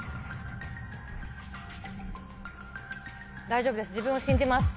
大丈夫です。